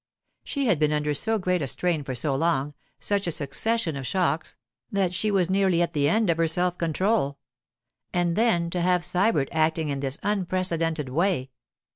She had been under so great a strain for so long, such a succession of shocks, that she was nearly at the end of her self control. And then to have Sybert acting in this unprecedented way!